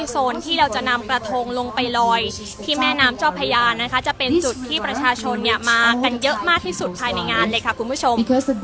โซนที่เราจะนำกระทงลงไปลอยที่แม่น้ำเจ้าพญานะคะจะเป็นจุดที่ประชาชนมากันเยอะมากที่สุดภายในงานเลยค่ะคุณผู้ชม